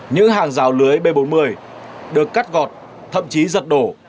những hàng rào lưới b bốn mươi được cắt gọt thậm chí giật đổ